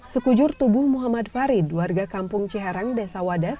sekujur tubuh muhammad farid warga kampung ciharang desa wadas